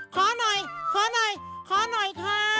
ขอหน่อยขอหน่อยขอหน่อยค่ะ